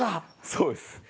そうです。